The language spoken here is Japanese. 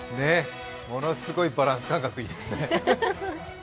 ものすごいバランス感覚いいですね。